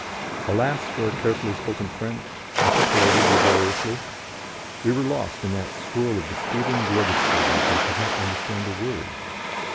Alas for our carefully spoken French, articulated laboriously! We were lost in that swirl of disputing luggage porters, and could not understand a word!